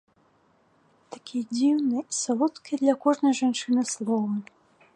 Такія дзіўныя і салодкія для кожнай жанчыны словы!